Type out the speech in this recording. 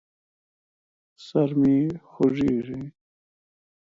سر مې خوږېږي.